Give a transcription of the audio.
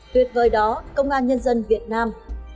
tuyệt vời đó công an nhân dân việt nam